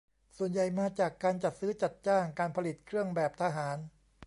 ส่วนใหญ่มาจากการจัดซื้อจัดจ้างการผลิตเครื่องแบบทหาร